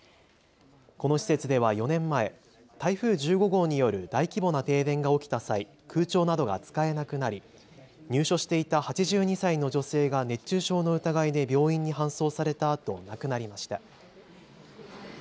この施設では４年前、台風１５号による大規模な停電が起きた際、空調などが使えなくなり、入所していた８２歳の女性が熱中症の疑いで病院に搬送されたあと、亡くなりました。